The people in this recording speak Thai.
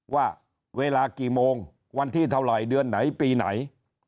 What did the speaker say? ว่าเวลากี่โมงวันที่เท่าไหร่เดือนไหนปีไหน